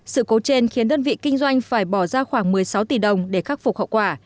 sự cố trên khiến đơn vị kinh doanh phải bỏ ra khoảng một mươi sáu tỷ đồng để khắc phục hậu quả